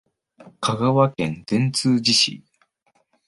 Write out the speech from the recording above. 香川県善通寺市